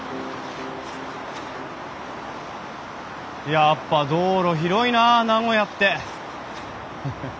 やっぱ道路広いなあ名古屋って。